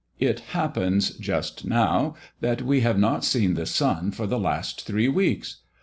It happens, just now, that we have not seen the sun for the last three weeks.